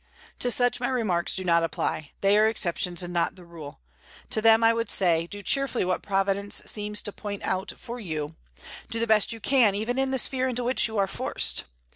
To such my remarks do not apply; they are exceptions, and not the rule. To them I would say, Do cheerfully what Providence seems to point out for you; do the best you can, even in the sphere into which you are forced.